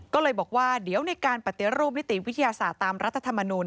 ก็เลยบอกว่าเดี๋ยวในการปฏิรูปนิติวิทยาศาสตร์ตามรัฐธรรมนูล